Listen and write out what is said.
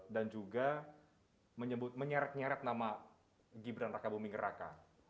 dan juga menyeret nyeret nama gibran raka buming raka